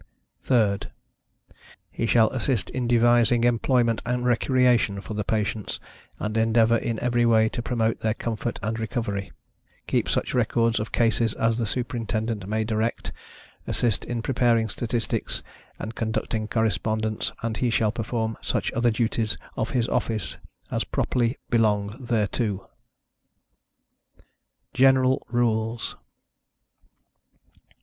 THIRD. He shall assist in devising employment and recreation for the patients, and endeavor in every way to promote their comfort and recovery; keep such records of cases as the Superintendent may direct, assist in preparing statistics, and conducting correspondence, and he shall perform such other duties of his office as properly belong thereto. GENERAL RULES.